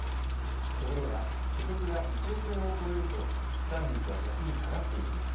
ところが所得が１億円を超えると負担率は逆に下がっていきます。